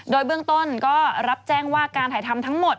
โดยเบื้องต้นก็รับแจ้งว่าการถ่ายทำทั้งหมด